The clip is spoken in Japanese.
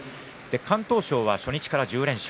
敢闘賞は初日から１０連勝